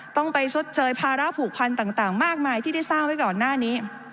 ต้องไปชดเชยภาระผูกพันธุ์ต่างมากมายที่ได้สร้างไว้ก่อนหน้านี้